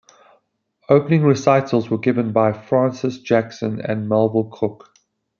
Opening recitals were given by Francis Jackson and Melville Cook.